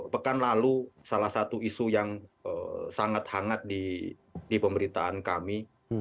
pekan lalu salah satu isu yang sangat hangat di pemberitaan kami